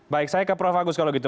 baik saya ke prof agus kalau gitu